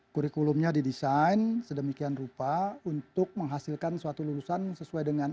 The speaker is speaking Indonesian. kurikulumnya didesain sedemikian rupa untuk menghasilkan suatu lulusan sesuai dengan